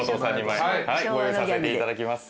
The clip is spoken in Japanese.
はいご用意させていただきます。